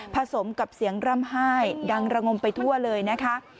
สมกับเสียงร่ำไห้ดังระงมไปทั่วเลยนะคะ